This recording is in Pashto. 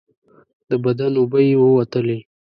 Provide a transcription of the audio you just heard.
د بدن اوبه یې ووتلې.